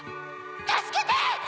助けて！